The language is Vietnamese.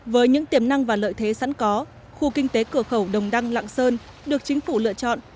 với những tiềm năng và lợi thế sẵn có khu kinh tế cửa khẩu đồng đăng lạng sơn được chính phủ lựa chọn